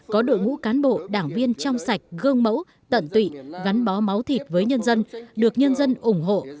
có đội ngũ cán bộ đảng viên trong sạch gương mẫu tận tụy gắn bó máu thịt với nhân dân được nhân dân ủng hộ